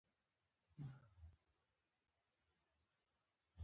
احمد له ډبرې غوړي باسي.